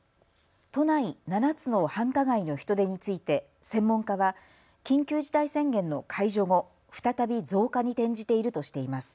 都内７つの繁華街の人出について専門家は緊急事態宣言の解除後、再び増加に転じているとしています。